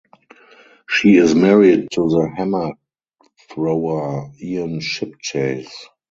She is married to the hammer thrower Ian Chipchase.